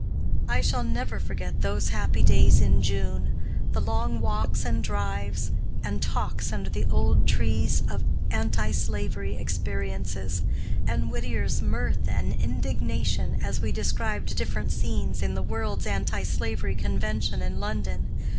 I shall never forget those happy days in June; the long walks and drives, and talks under the old trees of anti slavery experiences, and Whittier's mirth and indignation as we described different scenes in the World's Anti slavery Convention in London.